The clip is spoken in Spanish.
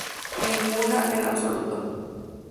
Ninguna en absoluto.